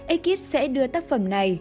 ekip sẽ đưa tác phẩm này